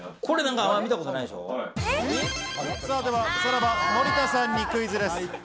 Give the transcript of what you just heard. では、さらば・森田さんにクイズです。